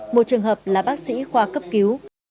một trường hợp là bác sĩ khoa cấp cứu